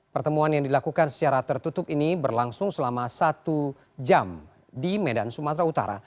pertemuan yang dilakukan secara tertutup ini berlangsung selama satu jam di medan sumatera utara